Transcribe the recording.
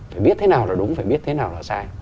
phải biết thế nào là đúng phải biết thế nào là sai